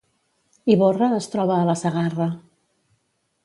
Ivorra es troba a la Segarra